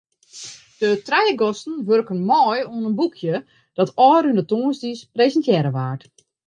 De trije gasten wurken mei oan in boekje dat ôfrûne tongersdei presintearre waard.